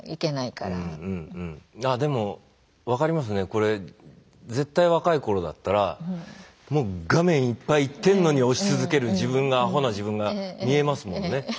これ絶対若い頃だったらもう画面いっぱいいってるのに押し続ける自分がアホな自分が見えますもんね。